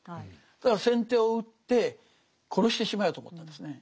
だから先手を打って殺してしまえと思ったんですね。